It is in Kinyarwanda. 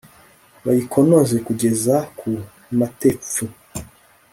bayikonoze kugeza ku matepfu